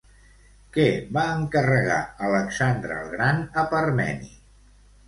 Què va encarregar Alexandre el Gran a Parmeni?